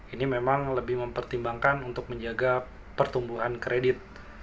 ini memang lebih mempertimbangkan untuk menjaga pertumbuhan kredit